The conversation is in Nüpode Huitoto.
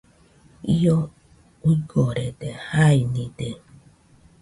Io uigorede, jainide,